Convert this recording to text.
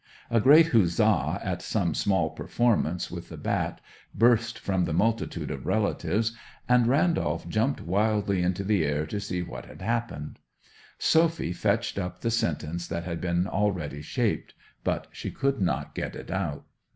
A great huzza at some small performance with the bat burst from the multitude of relatives, and Randolph jumped wildly into the air to see what had happened. Sophy fetched up the sentence that had been already shaped; but she could not get it out.